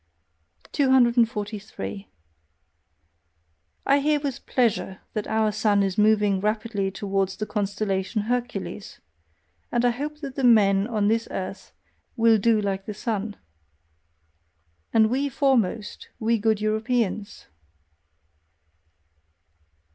243. I hear with pleasure that our sun is moving rapidly towards the constellation Hercules: and I hope that the men on this earth will do like the sun. And we foremost, we good Europeans!